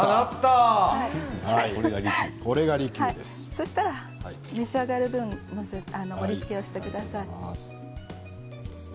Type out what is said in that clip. そしたら召し上がる分盛りつけをしてください。